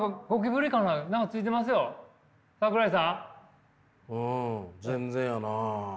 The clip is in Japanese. うん全然やな。